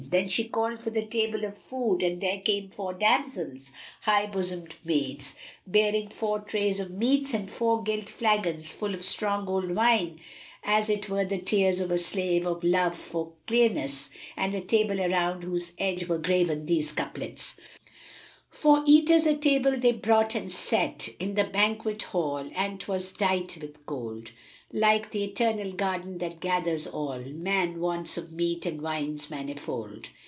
Then she called for the table of food, and there came four damsels, high bosomed maids, bearing four trays of meats and four gilt flagons full of strong old wine, as it were the tears of a slave of love for clearness, and a table around whose edge were graven these couplets, "For eaters a table they brought and set * In the banquet hall and 'twas dight with gold: Like th' Eternal Garden that gathers all * Man wants of meat and wines manifold."